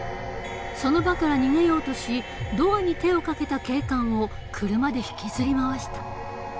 その場から逃げようとしドアに手をかけた警官を車で引きずり回した。